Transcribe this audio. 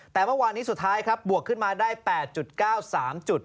แต่เมื่อวานนี้สุดท้ายครับบวกขึ้นมาได้๘๙๓จุด